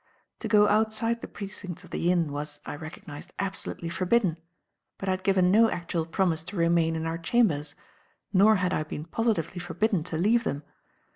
To go outside the precincts of the Inn was, I recognized, absolutely forbidden; but I had given no actual promise to remain in our chambers, nor had I been positively forbidden to leave them.